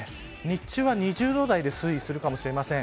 日中は２０度台で推移するかもしれません。